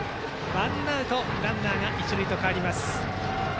ワンアウトランナー、一塁と変わります。